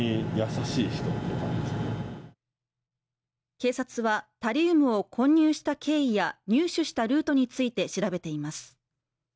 警察はタリウムを混入した経緯や入手したルートについて調べています。